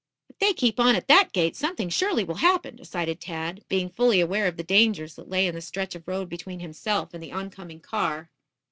"If they keep on at that gait, something surely will happen," decided Tad, being fully aware of the dangers that lay in the stretch of road between himself and the oncoming car.